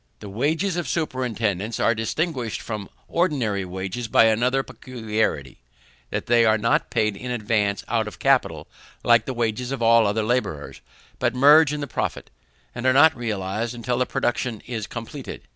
The wages of superintendance are distinguished from ordinary wages by another peculiarity, that they are not paid in advance out of capital, like the wages of all other labourers, but merge in the profit, and are not realized until the production is completed.